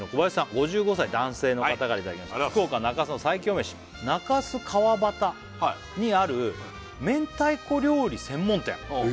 ５５歳男性の方からいただきました中洲川端にある明太子料理専門店え